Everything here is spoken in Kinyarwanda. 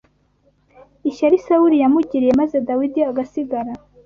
ishyari Sawuli yamugiriye maze Dawidi agasigara